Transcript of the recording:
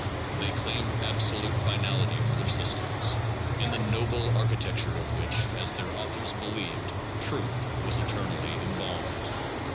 They claimed absolute finality for their systems, in the noble architecture of which, as their authors believed, truth was eternally embalmed.